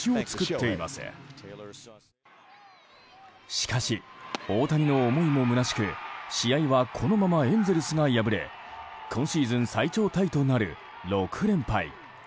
しかし、大谷の思いもむなしく試合はこのままエンゼルスが敗れ今シーズン最長タイとなる６連敗。